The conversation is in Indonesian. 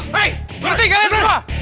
berhenti kalian semua